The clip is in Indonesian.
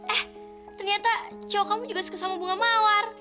eh ternyata co kamu juga suka sama bunga mawar